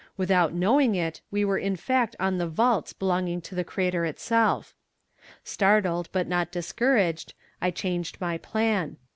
Without knowing it we were in fact on the vaults belonging to the crater itself. Startled, but not discouraged, I changed my plan.